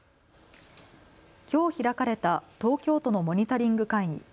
きょう開かれた東京都のモニタリング会議。